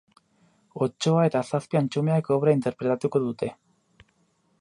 Otsoa eta zazpi antxumeak obra interpretatuko dute.